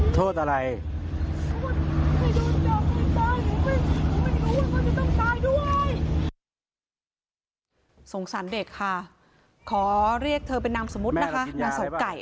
โคตรเยอะขนาดนี้เหมือนมันโคตรเยอะขนาดนี้